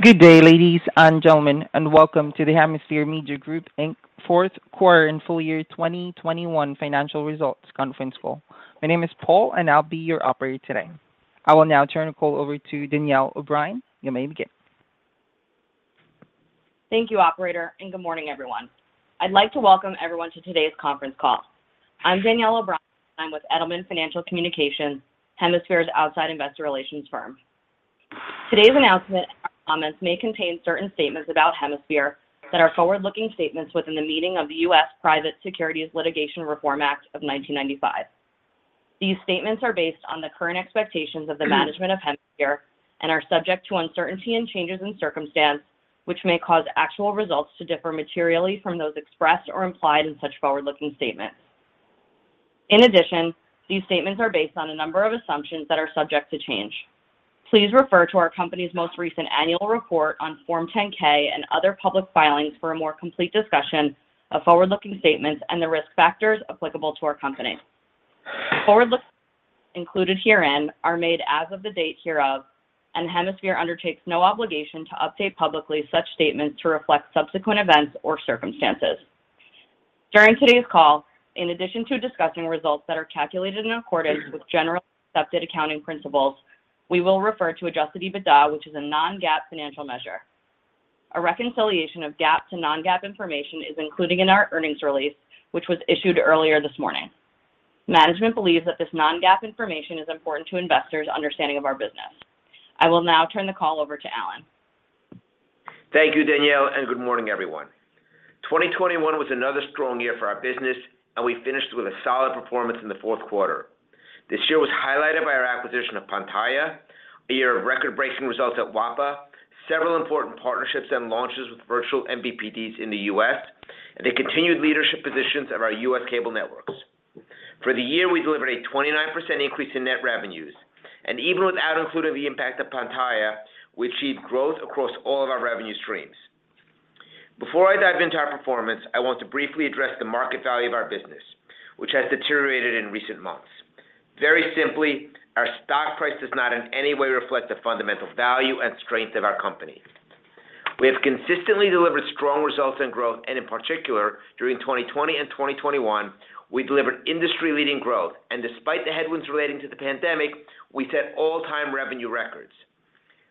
Good day, ladies and gentlemen, and welcome to the Hemisphere Media Group, Inc fourth quarter and full year 2021 financial results conference call. My name is Paul and I'll be your operator today. I will now turn the call over to Danielle O'Brien. You may begin. Thank you, operator, and good morning, everyone. I'd like to welcome everyone to today's conference call. I'm Danielle O'Brien. I'm with Edelman Financial Communications, Hemisphere's outside investor relations firm. Today's announcement and comments may contain certain statements about Hemisphere that are forward-looking statements within the meaning of the U.S. Private Securities Litigation Reform Act of 1995. These statements are based on the current expectations of the management of Hemisphere and are subject to uncertainty and changes in circumstance, which may cause actual results to differ materially from those expressed or implied in such forward-looking statements. In addition, these statements are based on a number of assumptions that are subject to change. Please refer to our company's most recent annual report on Form 10-K and other public filings for a more complete discussion of forward-looking statements and the risk factors applicable to our company. Forward-looking statements included herein are made as of the date hereof, and Hemisphere undertakes no obligation to update publicly such statements to reflect subsequent events or circumstances. During today's call, in addition to discussing results that are calculated in accordance with generally accepted accounting principles, we will refer to Adjusted EBITDA, which is a non-GAAP financial measure. A reconciliation of GAAP to non-GAAP information is included in our earnings release, which was issued earlier this morning. Management believes that this non-GAAP information is important to investors' understanding of our business. I will now turn the call over to Alan. Thank you, Danielle, and good morning, everyone. 2021 was another strong year for our business, and we finished with a solid performance in the fourth quarter. This year was highlighted by our acquisition of Pantaya, a year of record-breaking results at WAPA, several important partnerships and launches with virtual MVPDs in the U.S., and the continued leadership positions of our U.S. cable networks. For the year, we delivered a 29% increase in net revenues, and even without including the impact of Pantaya, we achieved growth across all of our revenue streams. Before I dive into our performance, I want to briefly address the market value of our business, which has deteriorated in recent months. Very simply, our stock price does not in any way reflect the fundamental value and strength of our company. We have consistently delivered strong results and growth, and in particular, during 2020 and 2021, we delivered industry-leading growth. Despite the headwinds relating to the pandemic, we set all-time revenue records.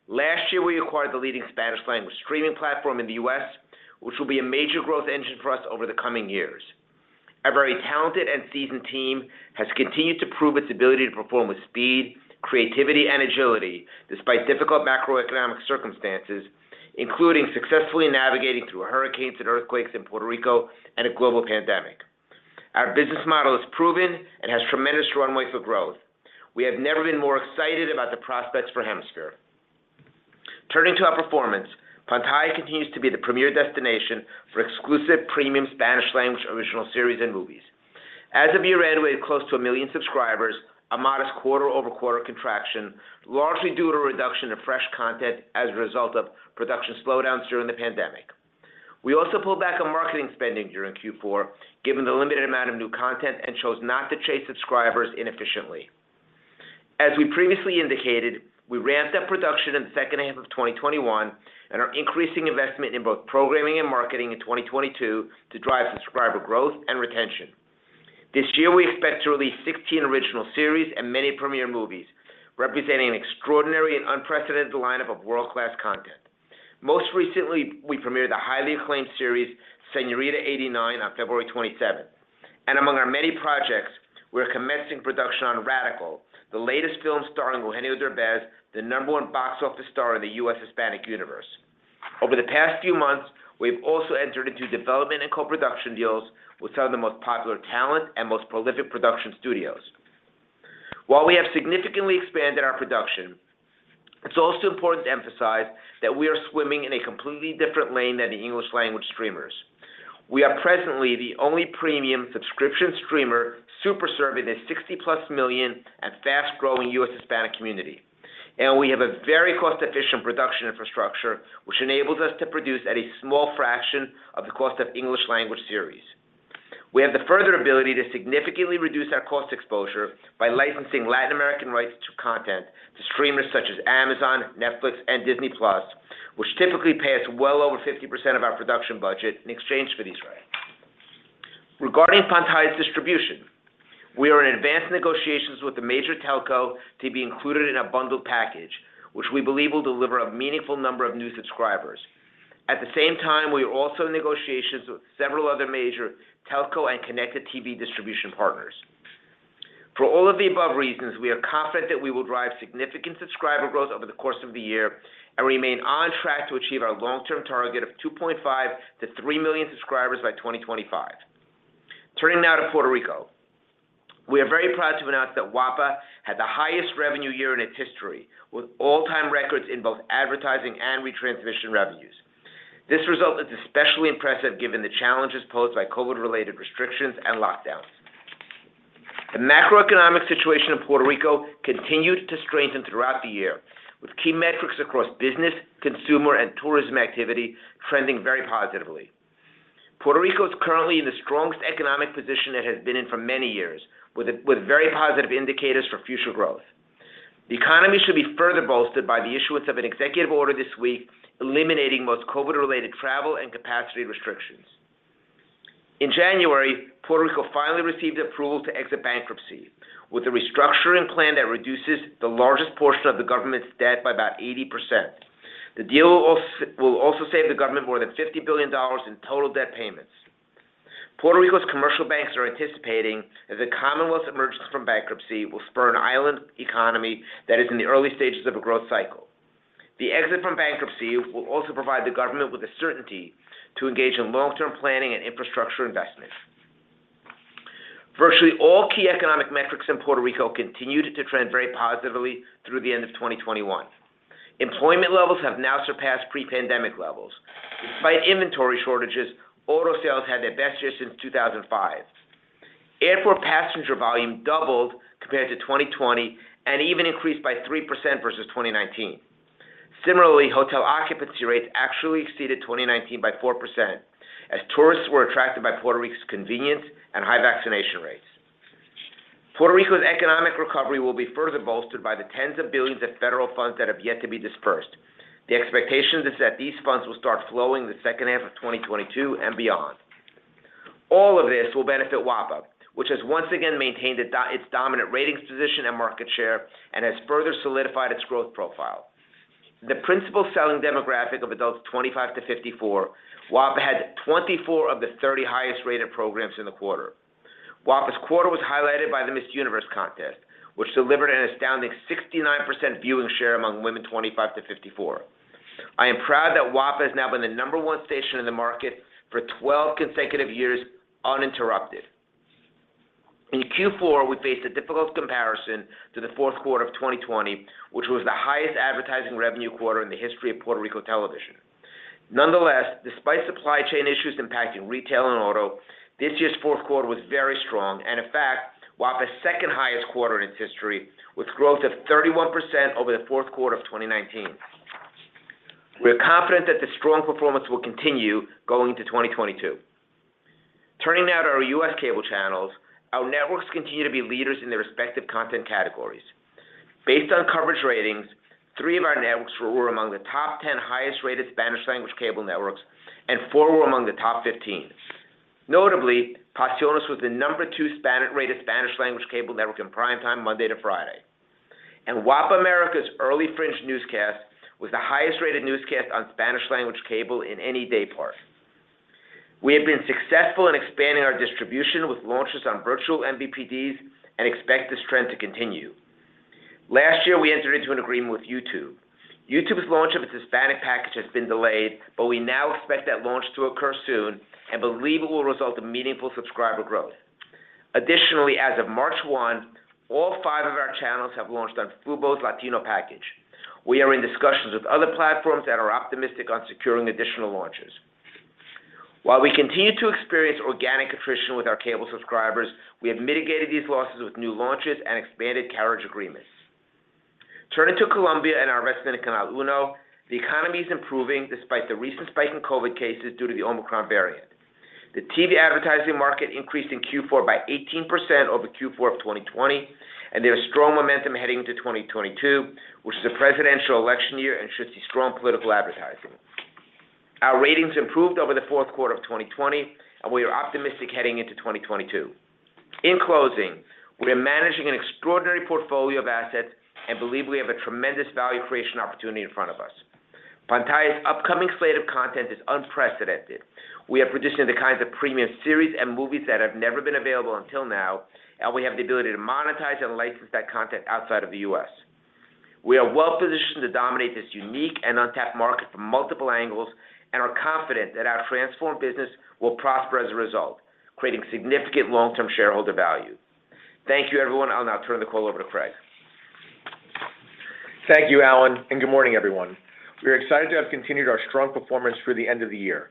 Last year, we acquired the leading Spanish language streaming platform in the U.S., which will be a major growth engine for us over the coming years. Our very talented and seasoned team has continued to prove its ability to perform with speed, creativity, and agility despite difficult macroeconomic circumstances, including successfully navigating through hurricanes and earthquakes in Puerto Rico and a global pandemic. Our business model is proven and has tremendous runway for growth. We have never been more excited about the prospects for Hemisphere. Turning to our performance, Pantaya continues to be the premier destination for exclusive premium Spanish language original series and movies. As of year-end, we had close to a million subscribers, a modest quarter-over-quarter contraction, largely due to a reduction in fresh content as a result of production slowdowns during the pandemic. We also pulled back on marketing spending during Q4, given the limited amount of new content and chose not to chase subscribers inefficiently. As we previously indicated, we ramped up production in the second half of 2021 and are increasing investment in both programming and marketing in 2022 to drive subscriber growth and retention. This year, we expect to release 16 original series and many premiere movies, representing an extraordinary and unprecedented lineup of world-class content. Most recently, we premiered the highly acclaimed series, Señorita 89 on February 27th. Among our many projects, we're commencing production on Radical, the latest film starring Eugenio Derbez, the number one box office star in the U.S. Hispanic universe. Over the past few months, we've also entered into development and co-production deals with some of the most popular talent and most prolific production studios. While we have significantly expanded our production, it's also important to emphasize that we are swimming in a completely different lane than the English-language streamers. We are presently the only premium subscription streamer super-serving the 60+ million and fast-growing U.S. Hispanic community. We have a very cost-efficient production infrastructure, which enables us to produce at a small fraction of the cost of English-language series. We have the further ability to significantly reduce our cost exposure by licensing Latin American rights to content to streamers such as Amazon, Netflix, and Disney+, which typically pay us well over 50% of our production budget in exchange for these rights. Regarding Pantaya's distribution, we are in advanced negotiations with the major telco to be included in a bundled package, which we believe will deliver a meaningful number of new subscribers. At the same time, we are also in negotiations with several other major telco and connected TV distribution partners. For all of the above reasons, we are confident that we will drive significant subscriber growth over the course of the year and remain on track to achieve our long-term target of 2.5-3 million subscribers by 2025. Turning now to Puerto Rico. We are very proud to announce that WAPA had the highest revenue year in its history, with all-time records in both advertising and retransmission revenues. This result is especially impressive given the challenges posed by COVID-related restrictions and lockdowns. The macroeconomic situation in Puerto Rico continued to strengthen throughout the year, with key metrics across business, consumer, and tourism activity trending very positively. Puerto Rico is currently in the strongest economic position it has been in for many years with very positive indicators for future growth. The economy should be further bolstered by the issuance of an executive order this week, eliminating most COVID-related travel and capacity restrictions. In January, Puerto Rico finally received approval to exit bankruptcy with a restructuring plan that reduces the largest portion of the government's debt by about 80%. The deal will also save the government more than $50 billion in total debt payments. Puerto Rico's commercial banks are anticipating that the commonwealth's emergence from bankruptcy will spur an island economy that is in the early stages of a growth cycle. The exit from bankruptcy will also provide the government with the certainty to engage in long-term planning and infrastructure investment. Virtually all key economic metrics in Puerto Rico continued to trend very positively through the end of 2021. Employment levels have now surpassed pre-pandemic levels. Despite inventory shortages, auto sales had their best year since 2005. Airport passenger volume doubled compared to 2020 and even increased by 3% versus 2019. Similarly, hotel occupancy rates actually exceeded 2019 by 4% as tourists were attracted by Puerto Rico's convenience and high vaccination rates. Puerto Rico's economic recovery will be further bolstered by the tens of billions of federal funds that have yet to be disbursed. The expectation is that these funds will start flowing in the second half of 2022 and beyond. All of this will benefit WAPA, which has once again maintained its dominant ratings position and market share and has further solidified its growth profile. The principal selling demographic of adults 25-54, WAPA had 24 of the 30 highest-rated programs in the quarter. WAPA's quarter was highlighted by the Miss Universe contest, which delivered an astounding 69% viewing share among women 25-54. I am proud that WAPA has now been the number one station in the market for 12 consecutive years uninterrupted. In Q4, we faced a difficult comparison to the fourth quarter of 2020, which was the highest advertising revenue quarter in the history of Puerto Rico television. Nonetheless, despite supply chain issues impacting retail and auto, this year's fourth quarter was very strong, and in fact, WAPA's second highest quarter in its history, with growth of 31% over the fourth quarter of 2019. We are confident that the strong performance will continue going into 2022. Turning now to our U.S. cable channels, our networks continue to be leaders in their respective content categories. Based on coverage ratings, three of our networks were among the top 10 highest-rated Spanish-language cable networks, and four were among the top 15. Notably, Pasiones was the number two rated Spanish-language cable network in primetime Monday to Friday. WAPA América's Early Fringe newscast was the highest-rated newscast on Spanish-language cable in any day part. We have been successful in expanding our distribution with launches on virtual MVPDs and expect this trend to continue. Last year, we entered into an agreement with YouTube. YouTube's launch of its Hispanic package has been delayed, but we now expect that launch to occur soon and believe it will result in meaningful subscriber growth. Additionally, as of March 1, all five of our channels have launched on Fubo's Latino package. We are in discussions with other platforms and are optimistic on securing additional launches. While we continue to experience organic attrition with our cable subscribers, we have mitigated these losses with new launches and expanded carriage agreements. Turning to Colombia and our resident Canal Uno, the economy is improving despite the recent spike in COVID cases due to the Omicron variant. The TV advertising market increased in Q4 by 18% over Q4 of 2020, and there is strong momentum heading into 2022, which is a presidential election year and should see strong political advertising. Our ratings improved over the fourth quarter of 2020, and we are optimistic heading into 2022. In closing, we are managing an extraordinary portfolio of assets and believe we have a tremendous value creation opportunity in front of us. Pantaya's upcoming slate of content is unprecedented. We are producing the kinds of premium series and movies that have never been available until now, and we have the ability to monetize and license that content outside of the U.S. We are well-positioned to dominate this unique and untapped market from multiple angles and are confident that our transformed business will prosper as a result, creating significant long-term shareholder value. Thank you, everyone. I'll now turn the call over to Craig. Thank you, Alan, and good morning, everyone. We are excited to have continued our strong performance through the end of the year.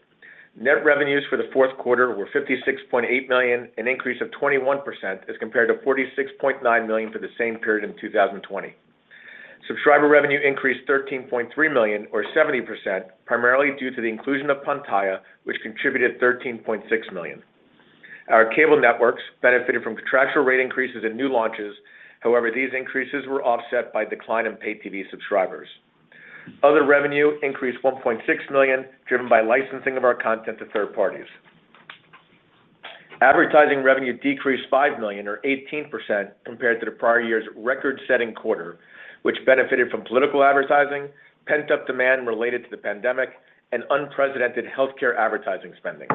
Net revenues for the fourth quarter were $56.8 million, an increase of 21% as compared to $46.9 million for the same period in 2020. Subscriber revenue increased $13.3 million or 70%, primarily due to the inclusion of Pantaya, which contributed $13.6 million. Our cable networks benefited from contractual rate increases and new launches. However, these increases were offset by decline in paid TV subscribers. Other revenue increased $1.6 million, driven by licensing of our content to third parties. Advertising revenue decreased $5 million or 18% compared to the prior year's record-setting quarter, which benefited from political advertising, pent-up demand related to the pandemic, and unprecedented healthcare advertising spending.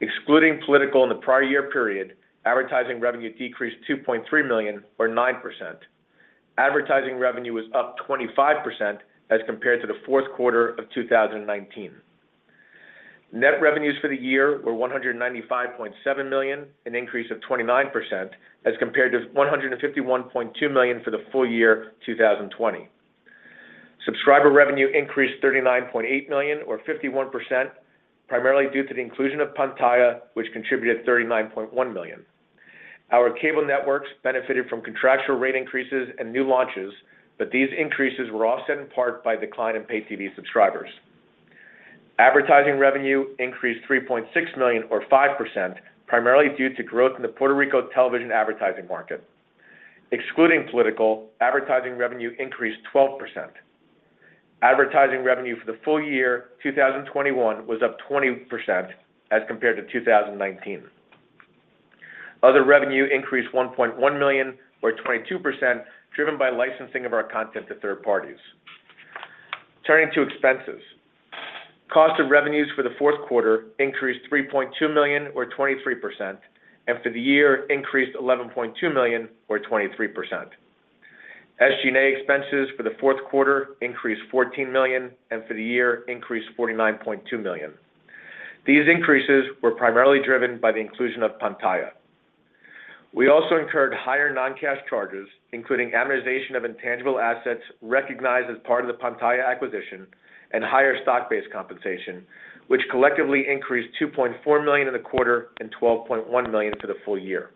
Excluding political in the prior year period, advertising revenue decreased $2.3 million or 9%. Advertising revenue was up 25% as compared to the fourth quarter of 2019. Net revenues for the year were $195.7 million, an increase of 29% as compared to $151.2 million for the full year 2020. Subscriber revenue increased $39.8 million or 51%, primarily due to the inclusion of Pantaya, which contributed $39.1 million. Our cable networks benefited from contractual rate increases and new launches, but these increases were offset in part by decline in paid TV subscribers. Advertising revenue increased $3.6 million or 5%, primarily due to growth in the Puerto Rico television advertising market. Excluding political, advertising revenue increased 12%. Advertising revenue for the full year 2021 was up 20% as compared to 2019. Other revenue increased $1.1 million or 22%, driven by licensing of our content to third parties. Turning to expenses. Cost of revenues for the fourth quarter increased $3.2 million or 23%, and for the year increased $11.2 million or 23%. SG&A expenses for the fourth quarter increased $14 million and for the year increased $49.2 million. These increases were primarily driven by the inclusion of Pantaya. We also incurred higher non-cash charges, including amortization of intangible assets recognized as part of the Pantaya acquisition and higher stock-based compensation, which collectively increased $2.4 million in the quarter and $12.1 million for the full year.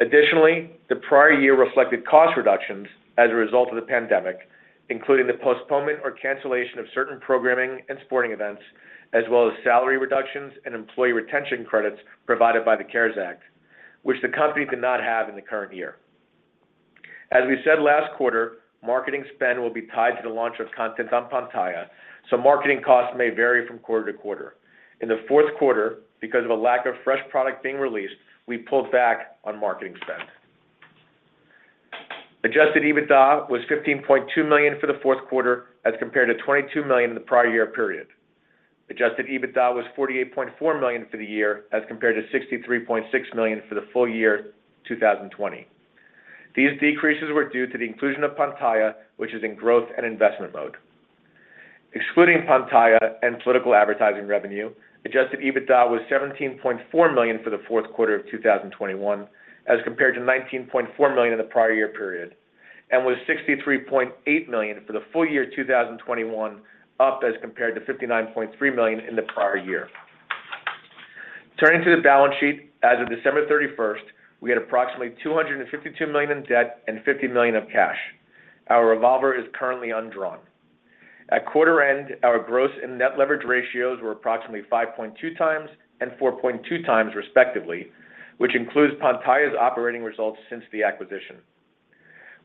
Additionally, the prior year reflected cost reductions as a result of the pandemic, including the postponement or cancellation of certain programming and sporting events, as well as salary reductions and employee retention credits provided by the CARES Act, which the company did not have in the current year. As we said last quarter, marketing spend will be tied to the launch of content on Pantaya, so marketing costs may vary from quarter to quarter. In the fourth quarter, because of a lack of fresh product being released, we pulled back on marketing spend. Adjusted EBITDA was $15.2 million for the fourth quarter as compared to $22 million in the prior year period. Adjusted EBITDA was $48.4 million for the year as compared to $63.6 million for the full year 2020. These decreases were due to the inclusion of Pantaya, which is in growth and investment mode. Excluding Pantaya and political advertising revenue, Adjusted EBITDA was $17.4 million for the fourth quarter of 2021, as compared to $19.4 million in the prior year period, and was $63.8 million for the full year 2021, up as compared to $59.3 million in the prior year. Turning to the balance sheet, as of December 31, we had approximately $252 million in debt and $50 million of cash. Our revolver is currently undrawn. At quarter end, our gross and net leverage ratios were approximately 5.2x and 4.2x, respectively, which includes Pantaya's operating results since the acquisition.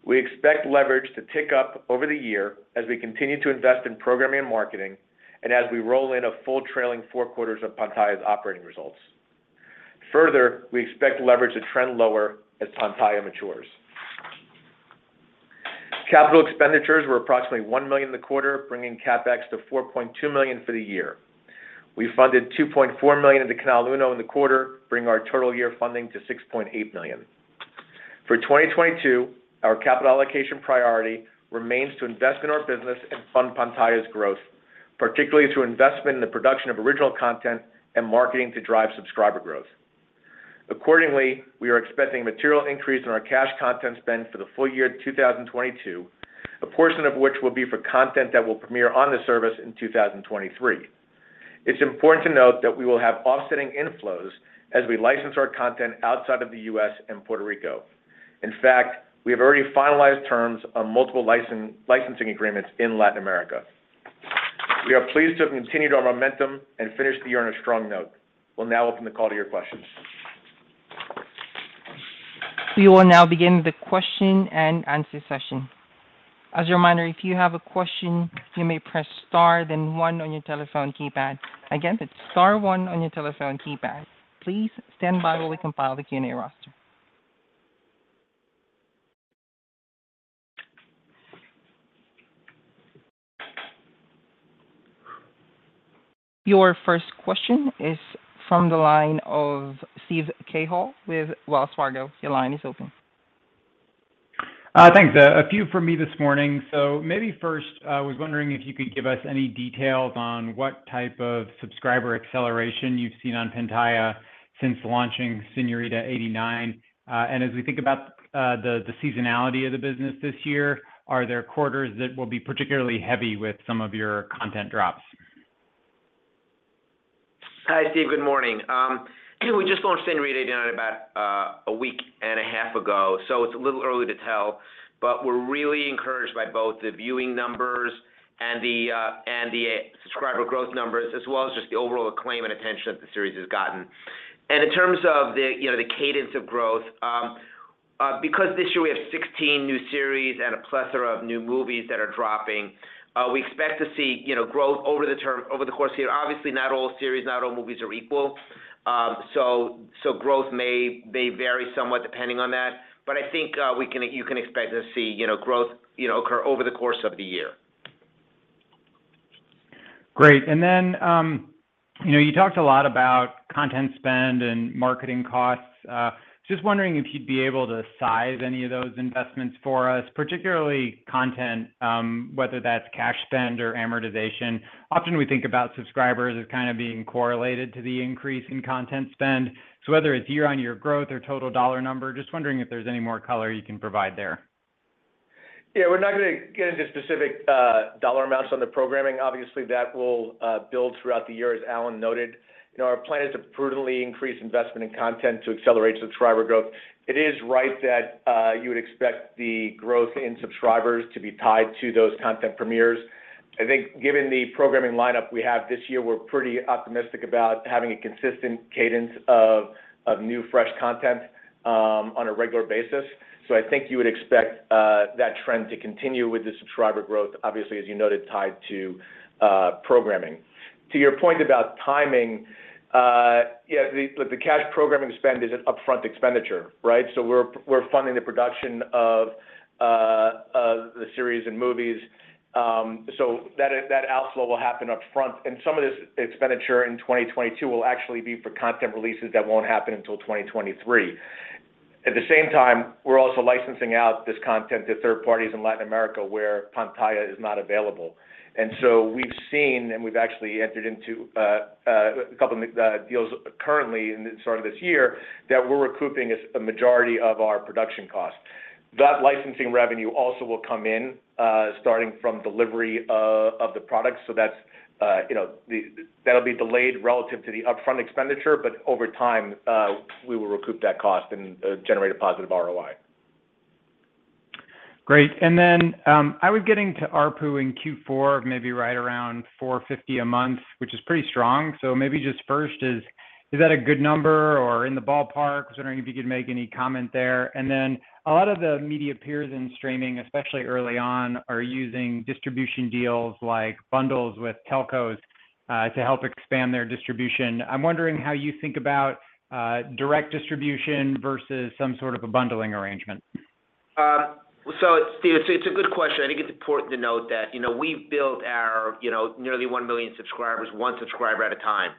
We expect leverage to tick up over the year as we continue to invest in programming and marketing and as we roll in a full trailing four quarters of Pantaya's operating results. Further, we expect leverage to trend lower as Pantaya matures. Capital expenditures were approximately $1 million in the quarter, bringing CapEx to $4.2 million for the year. We funded $2.4 million into Canal 1 in the quarter, bringing our total year funding to $6.8 million. For 2022, our capital allocation priority remains to invest in our business and fund Pantaya's growth, particularly through investment in the production of original content and marketing to drive subscriber growth. Accordingly, we are expecting a material increase in our cash content spend for the full year 2022, a portion of which will be for content that will premiere on the service in 2023. It's important to note that we will have offsetting inflows as we license our content outside of the U.S. and Puerto Rico. In fact, we have already finalized terms on multiple licensing agreements in Latin America. We are pleased to have continued our momentum and finished the year on a strong note. We'll now open the call to your questions. We will now begin the question and answer session. As a reminder, if you have a question, you may press star then one on your telephone keypad. Again, it's star one on your telephone keypad. Please stand by while we compile the Q&A roster. Your first question is from the line of Steve Cahall with Wells Fargo. Your line is open. Thanks. A few from me this morning. Maybe first, I was wondering if you could give us any details on what type of subscriber acceleration you've seen on Pantaya since launching Señorita 89. As we think about the seasonality of the business this year, are there quarters that will be particularly heavy with some of your content drops? Hi, Steve. Good morning. We just launched Señorita 89 about a week and a half ago, so it's a little early to tell, but we're really encouraged by both the viewing numbers and the subscriber growth numbers, as well as just the overall acclaim and attention that the series has gotten. In terms of the you know the cadence of growth, because this year we have 16 new series and a plethora of new movies that are dropping, we expect to see you know growth over the course of the year. Obviously, not all series, not all movies are equal. So growth may vary somewhat depending on that. I think you can expect to see you know growth you know occur over the course of the year. Great. You know, you talked a lot about content spend and marketing costs. Just wondering if you'd be able to size any of those investments for us, particularly content, whether that's cash spend or amortization. Often, we think about subscribers as kind of being correlated to the increase in content spend. Whether it's year-on-year growth or total dollar number, just wondering if there's any more color you can provide there. Yeah, we're not gonna get into specific dollar amounts on the programming. Obviously, that will build throughout the year, as Alan noted. You know, our plan is to prudently increase investment in content to accelerate subscriber growth. It is right that you would expect the growth in subscribers to be tied to those content premieres. I think given the programming lineup we have this year, we're pretty optimistic about having a consistent cadence of new, fresh content on a regular basis. So I think you would expect that trend to continue with the subscriber growth, obviously, as you noted, tied to programming. To your point about timing, yeah, the cash programming spend is an upfront expenditure, right? So we're funding the production of the series and movies. That outflow will happen upfront, some of this expenditure in 2022 will actually be for content releases that won't happen until 2023. At the same time, we're also licensing out this content to third parties in Latin America where Pantaya is not available. We've seen, we've actually entered into a couple of deals currently at the start of this year, that we're recouping a majority of our production costs. That licensing revenue also will come in starting from delivery of the product. That's you know that'll be delayed relative to the upfront expenditure, but over time we will recoup that cost and generate a positive ROI. Great. Then I was getting to ARPU in Q4 maybe right around $450 a month, which is pretty strong. Maybe just first is that a good number or in the ballpark? I was wondering if you could make any comment there. Then a lot of the media peers in streaming, especially early on, are using distribution deals like bundles with telcos to help expand their distribution. I'm wondering how you think about direct distribution versus some sort of a bundling arrangement. Steve, it's a good question. I think it's important to note that, you know, we've built our, you know, nearly 1 million subscribers, one subscriber at a time.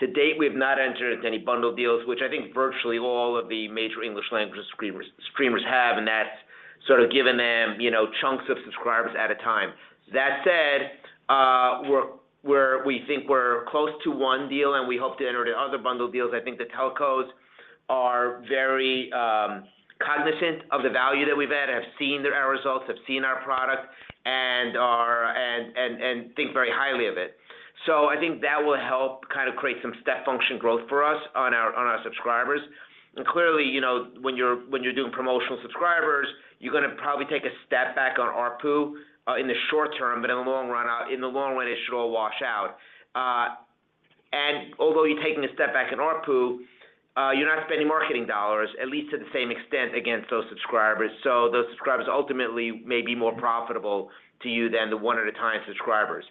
To date, we have not entered into any bundle deals, which I think virtually all of the major English language streamers have, and that's sort of given them, you know, chunks of subscribers at a time. That said, we think we're close to one deal, and we hope to enter into other bundle deals. I think the telcos are very cognizant of the value that we've had, have seen our results and our product and think very highly of it. I think that will help kind of create some step function growth for us on our subscribers. Clearly, you know, when you're doing promotional subscribers, you're gonna probably take a step back on ARPU in the short term, but in the long run, it should all wash out. Although you're taking a step back in ARPU, you're not spending marketing dollars at least to the same extent against those subscribers. Those subscribers ultimately may be more profitable to you than the one-at-a-time subscribers.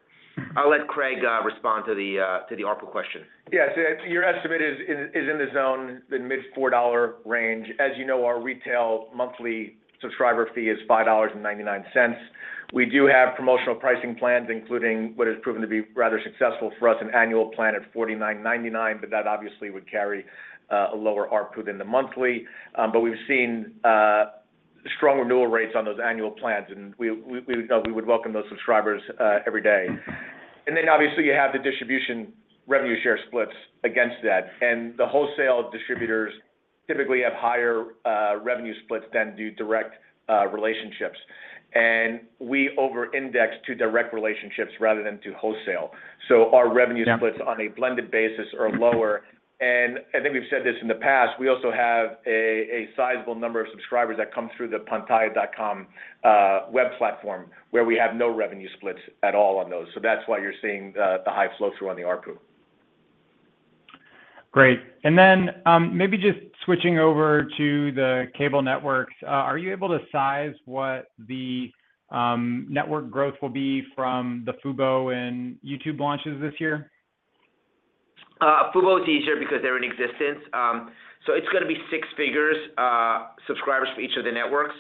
I'll let Craig respond to the ARPU question. Yes. Your estimate is in the zone, the mid-$4 range. As you know, our retail monthly subscriber fee is $5.99. We do have promotional pricing plans, including what has proven to be rather successful for us, an annual plan at $49.99, but that obviously would carry a lower ARPU than the monthly. We've seen strong renewal rates on those annual plans, and we would welcome those subscribers every day. Obviously you have the distribution revenue share splits against that, and the wholesale distributors typically have higher revenue splits than do direct relationships. We over-index to direct relationships rather than to wholesale. Our revenue- Yeah Splits on a blended basis are lower. I think we've said this in the past, we also have a sizable number of subscribers that come through the pantaya.com web platform, where we have no revenue splits at all on those. That's why you're seeing the high flow through on the ARPU. Great. Maybe just switching over to the cable networks. Are you able to size what the network growth will be from the Fubo and YouTube launches this year? Fubo is easier because they're in existence. It's gonna be six figures subscribers for each of the networks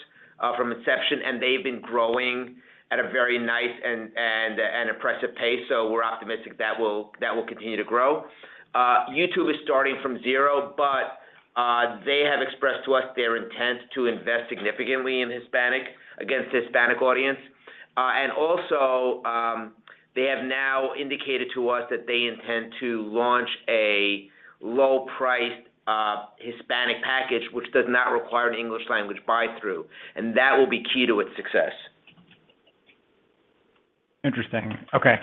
from inception, and they've been growing at a very nice and impressive pace. We're optimistic that will continue to grow. YouTube is starting from zero, but they have expressed to us their intent to invest significantly into the Hispanic audience. They have now indicated to us that they intend to launch a low-priced Hispanic package, which does not require an English-language buy-through, and that will be key to its success. Interesting. Okay.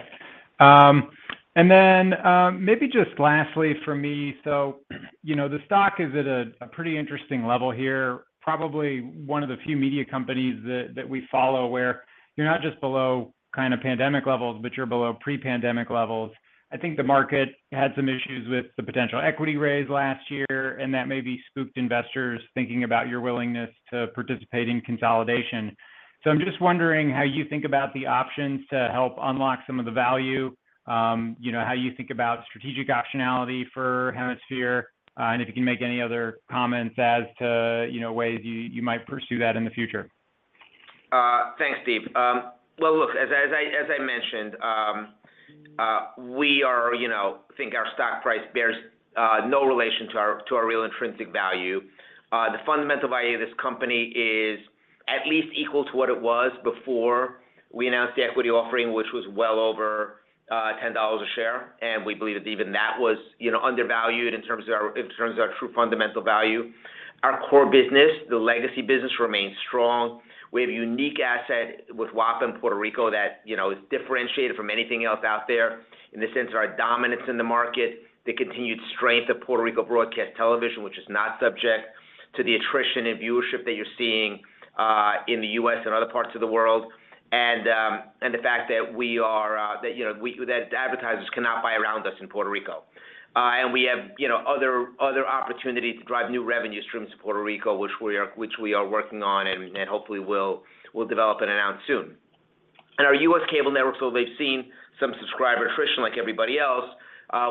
Maybe just lastly for me, so, you know, the stock is at a pretty interesting level here, probably one of the few media companies that we follow where you're not just below kind of pandemic levels, but you're below pre-pandemic levels. I think the market had some issues with the potential equity raise last year, and that maybe spooked investors thinking about your willingness to participate in consolidation. I'm just wondering how you think about the options to help unlock some of the value, you know, how you think about strategic optionality for Hemisphere, and if you can make any other comments as to, you know, ways you might pursue that in the future. Thanks, Steve. Well, look, as I mentioned, we, you know, think our stock price bears no relation to our real intrinsic value. The fundamental value of this company is at least equal to what it was before We announced the equity offering, which was well over $10 a share, and we believe that even that was, you know, undervalued in terms of our true fundamental value. Our core business, the legacy business remains strong. We have a unique asset with WAPA in Puerto Rico that, you know, is differentiated from anything else out there in the sense of our dominance in the market, the continued strength of Puerto Rico broadcast television, which is not subject to the attrition in viewership that you're seeing in the U.S. and other parts of the world, and the fact that advertisers cannot buy around us in Puerto Rico. We have, you know, other opportunities to drive new revenue streams to Puerto Rico, which we are working on and hopefully will develop and announce soon. Our U.S. cable networks, although they've seen some subscriber attrition like everybody else,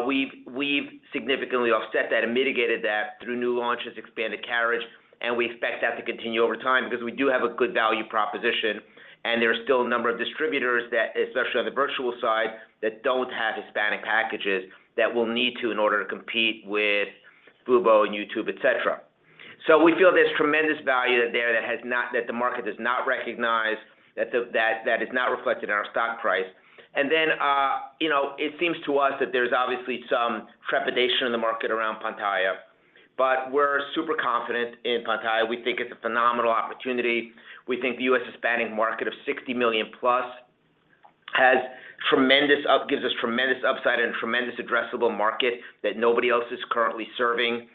we've significantly offset that and mitigated that through new launches, expanded carriage, and we expect that to continue over time because we do have a good value proposition, and there are still a number of distributors that, especially on the virtual side, that don't have Hispanic packages that will need to in order to compete with Fubo and YouTube, et cetera. We feel there's tremendous value there that the market has not recognized, that is not reflected in our stock price. It seems to us that there's obviously some trepidation in the market around Pantaya. We're super confident in Pantaya. We think it's a phenomenal opportunity. We think the U.S. Hispanic market of 60 million-plus has tremendous upside and tremendous addressable market that nobody else is currently serving.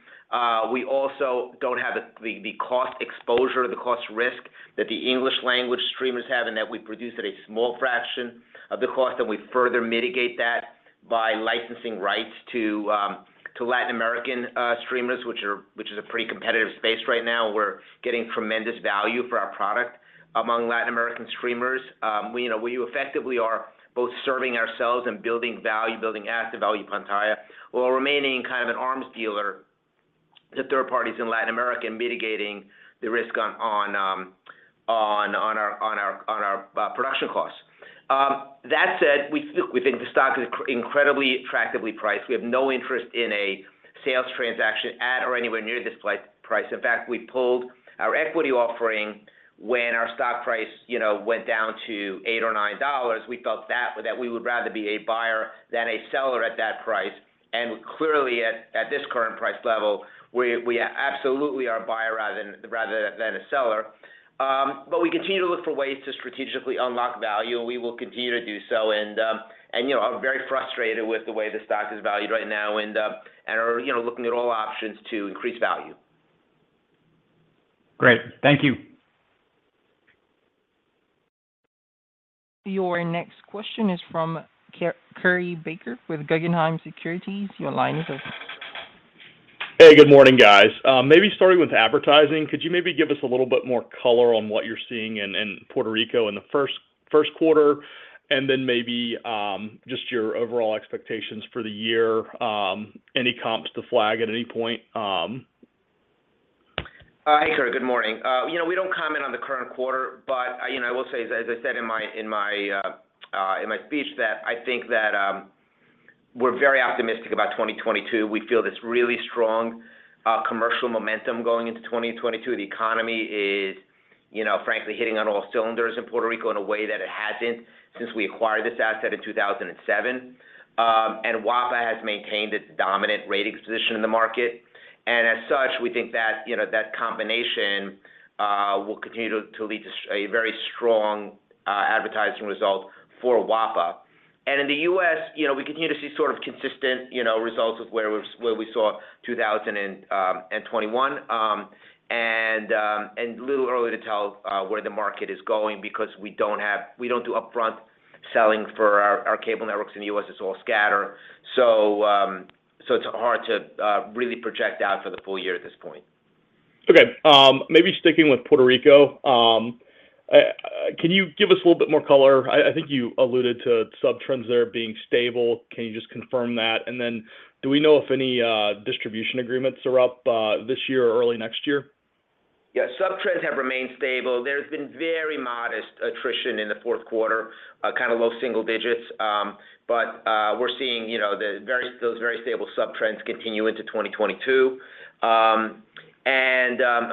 We also don't have the cost exposure, the cost risk that the English language streamers have in that we produce at a small fraction of the cost, and we further mitigate that by licensing rights to Latin American streamers, which is a pretty competitive space right now. We're getting tremendous value for our product among Latin American streamers. We, you know, we effectively are both serving ourselves and building value, building asset value at Pantaya, while remaining kind of an arms dealer to third parties in Latin America and mitigating the risk on our production costs. That said, we think the stock is incredibly attractively priced. We have no interest in a sales transaction at or anywhere near this price. In fact, we pulled our equity offering when our stock price, you know, went down to $8 or $9. We felt that way, that we would rather be a buyer than a seller at that price. Clearly at this current price level, we absolutely are a buyer rather than a seller. We continue to look for ways to strategically unlock value, and we will continue to do so. You know, I'm very frustrated with the way the stock is valued right now, and we are looking at all options to increase value. Great. Thank you. Your next question is from Curry Baker with Guggenheim Securities. Your line is open. Hey, good morning, guys. Maybe starting with advertising, could you maybe give us a little bit more color on what you're seeing in Puerto Rico in the first quarter and then maybe just your overall expectations for the year, any comps to flag at any point? Hi Curry, good morning. You know, we don't comment on the current quarter, but you know, I will say, as I said in my speech that I think that we're very optimistic about 2022. We feel this really strong commercial momentum going into 2022. The economy is, you know, frankly, hitting on all cylinders in Puerto Rico in a way that it hasn't since we acquired this asset in 2007. WAPA has maintained its dominant ratings position in the market. As such, we think that you know, that combination will continue to lead to a very strong advertising result for WAPA. In the U.S., you know, we continue to see sort of consistent, you know, results with where we saw in 2021. It's a little early to tell where the market is going because we don't do upfront selling for our cable networks in the U.S. It's all scatter. It's hard to really project out for the full year at this point. Okay. Maybe sticking with Puerto Rico, can you give us a little bit more color? I think you alluded to sub-trends there being stable. Can you just confirm that? Then do we know if any distribution agreements are up this year or early next year? Yeah, sub-trends have remained stable. There's been very modest attrition in the fourth quarter, kind of low single digits. We're seeing, you know, those very stable sub-trends continue into 2022. I'm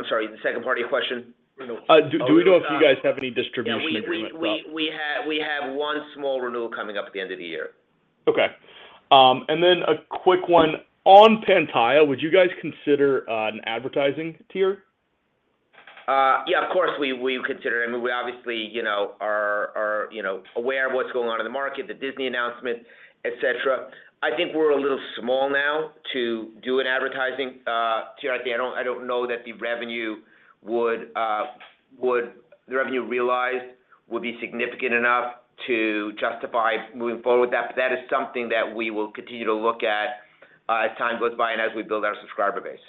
sorry, the second part of your question? Renewal- Do we know if you guys have any distribution agreements up? Yeah, we have one small renewal coming up at the end of the year. Okay. A quick one on Pantaya. Would you guys consider an advertising tier? Yeah, of course, we would consider. I mean, we obviously, you know, are aware of what's going on in the market, the Disney announcement, et cetera. I think we're a little small now to do an advertising tier idea. I don't know that the revenue realized would be significant enough to justify moving forward with that. That is something that we will continue to look at as time goes by and as we build our subscriber base.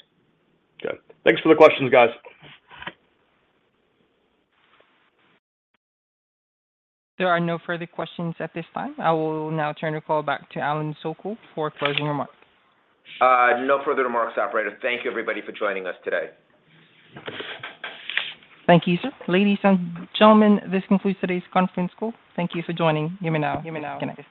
Okay. Thanks for the questions, guys. There are no further questions at this time. I will now turn the call back to Alan Sokol for closing remarks. No further remarks, operator. Thank you everybody for joining us today. Thank you, sir. Ladies and gentlemen, this concludes today's conference call. Thank you for joining. You may now disconnect.